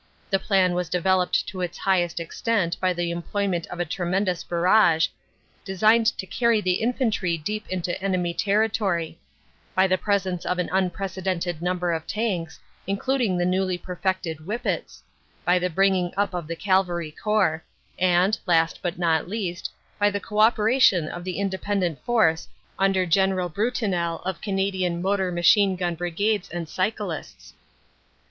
The plan was developed to its highest extent by the employment of a tremendous barrage, designed to carry the infantry deep into enemy territory; by the presence of an unprecedented number of tanks, including the newly perfected "whippets" ; by the bringing up of the Cavalry Corps ; and last, but not least, by the co operation of the Independent Force under General Brutinel of Canadian Motor Machine Gun Brigades and Cyclists.